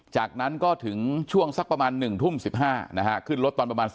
จากนั้นก็ถึงช่วงสักประมาณ๑ทุ่ม๑๕นะฮะขึ้นรถตอนประมาณ